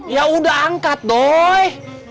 yaudah angkat doi